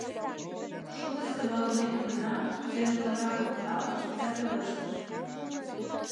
Шуко сӧрвалымеке гына, тудо эркынрак кокыралтыш да пелештыш: